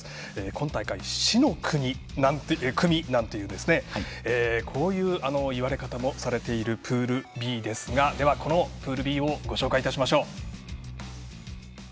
今大会、死の組なんていう言われ方もされているプールＢですがこのプールＢをご紹介しましょう。